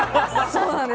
そうなんです。